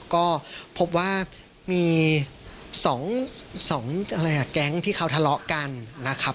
ก็พบว่ามี๒แก๊งที่เขาทะเลาะกันนะครับ